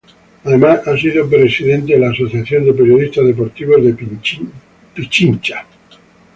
Además ha sido presidente de la Asociación de Periodistas Deportivos de Pichincha.